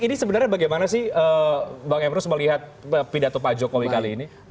ini sebenarnya bagaimana sih bang emrus melihat pidato pak jokowi kali ini